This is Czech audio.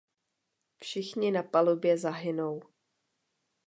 Všichni na palubě zahynou.